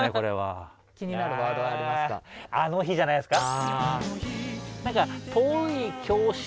「あの日」じゃないですか。